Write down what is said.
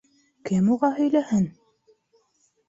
Кем уға һөйләһен?